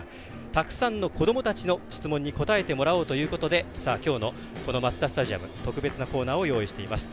たくさんの子どもたちの質問に答えてもらおうということできょうの、マツダスタジアム特別なコーナーを用意しています。